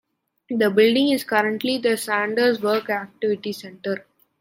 The building is currently the Sanders Work Activity Center.